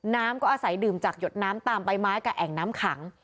น้ำก็อาศัยดื่มจากหยดน้ำตามใบไม้กับแอ่งน้ำขัง